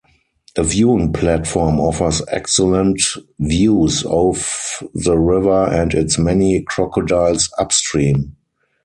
A viewing platform offers excellent views of the river and its many crocodiles upstream.